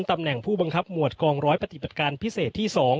ตำแหน่งผู้บังคับหมวดกองร้อยปฏิบัติการพิเศษที่๒